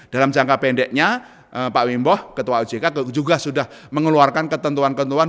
dalam jangka pendeknya pak wimbo ketua ojk juga sudah mengeluarkan ketentuan ketentuan